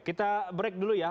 kita break dulu ya